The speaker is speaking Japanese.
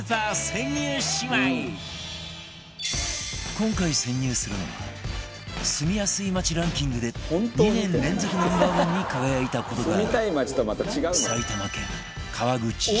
今回潜入するのは住みやすい街ランキングで２年連続 Ｎｏ．１ に輝いた事がある